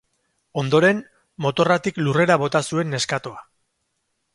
Ondoren, motorratik lurrera bota zuen neskatoa.